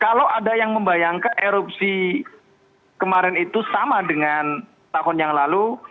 kalau ada yang membayangkan erupsi kemarin itu sama dengan tahun yang lalu